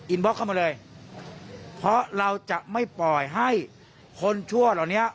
บล็อกเข้ามาเลยเพราะเราจะไม่ปล่อยให้คนชั่วเหล่านี้